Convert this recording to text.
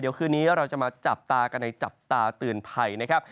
เดี๋ยวคืนนี้เราจะมาจับตากันในจับตาเตือนภัยนะครับ